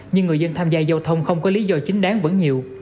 nhưng người dân tham gia giao thông không có lý do chính đáng vẫn nhiều